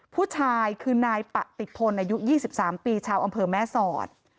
ผู้ชายคือนายปะติดพลอายุ๒๓ปีชาวอำเภอแม่สอด